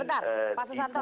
sebentar pak susanto